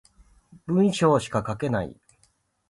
文章しか書けない